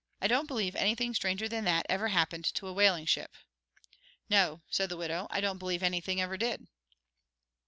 I don't believe anything stranger than that ever happened to a whaling ship." "No," said the widow, "I don't believe anything ever did."